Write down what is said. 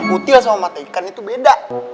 util sama mata ikan itu beda